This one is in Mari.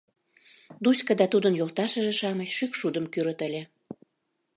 Дуська да тудын йолташыже-шамыч шӱкшудым кӱрыт ыле.